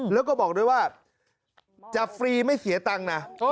แล้วก็บอกด้วยว่าจะฟรีไม่เสียตังค์นะ